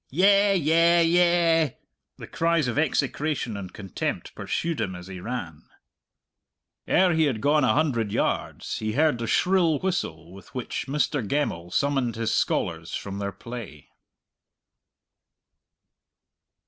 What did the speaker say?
"Yeh! yeh! yeh!" the cries of execration and contempt pursued him as he ran. Ere he had gone a hundred yards he heard the shrill whistle with which Mr. Gemmell summoned his scholars from their play.